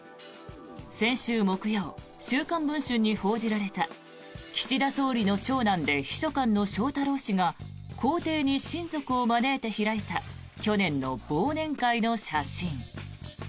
先週木曜「週刊文春」に報じられた岸田総理の長男で秘書官の翔太郎氏が公邸に親族を招いて開いた去年の忘年会の写真。